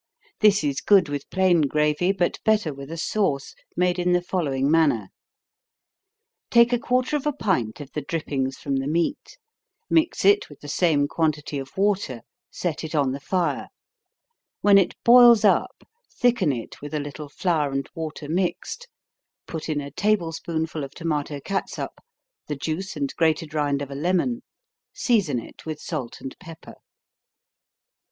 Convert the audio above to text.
This is good with plain gravy, but better with a sauce, made in the following manner. Take a quarter of a pint of the drippings from the meat, mix it with the same quantity of water, set it on the fire; when it boils up, thicken it with a little flour and water mixed, put in a table spoonful of tomato catsup, the juice and grated rind of a lemon; season it with salt and pepper.